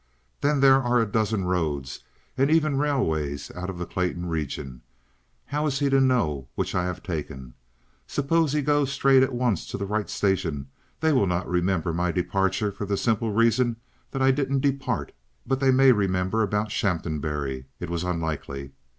Then there are a dozen roads and even railways out of the Clayton region, how is he to know which I have taken? Suppose he goes straight at once to the right station, they will not remember my departure for the simple reason that I didn't depart. But they may remember about Shaphambury? It was unlikely.